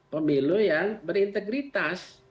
pemilu yang berintegritas